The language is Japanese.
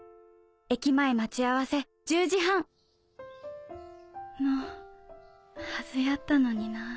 駅前待ち合わせ１０時半！のはずやったのになぁ。